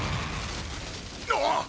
あっ！